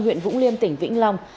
huyện vũng liêm tỉnh vĩnh long